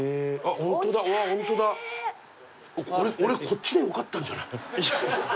こっちでよかったんじゃない？